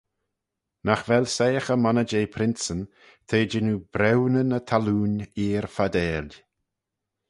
"Nagh vel soiaghey monney jeh princeyn; t'eh jannoo briwnyn y thallooin eer fardail."